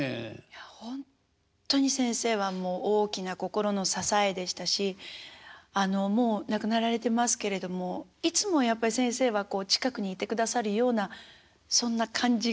ほんとに先生はもう大きな心の支えでしたしもう亡くなられてますけれどもいつもやっぱり先生は近くにいてくださるようなそんな感じがします。